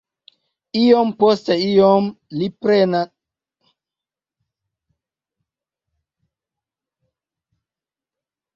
Iom post iom li alprenas la formon de drako.